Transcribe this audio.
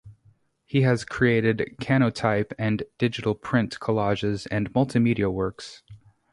He has created cyanotype and digital print collages and multimedia works.